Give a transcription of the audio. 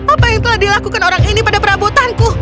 apa yang telah dilakukan orang ini pada perabotanku